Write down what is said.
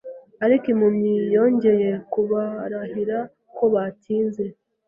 Ariko impumyi yongeye kubarahira ko batinze.